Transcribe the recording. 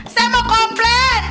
saya mau komplain